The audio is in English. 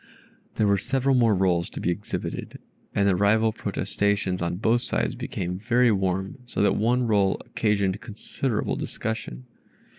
There were several more rolls to be exhibited, and the rival protestations on both sides became very warm, so that one roll occasioned considerable discussion.